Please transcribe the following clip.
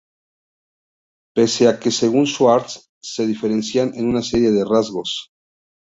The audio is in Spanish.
Pese a que, según Schwartz, se diferencian en una serie de rasgos.